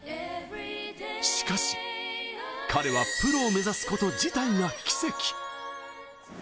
しかし、彼はプロを目指すこと自体が奇跡。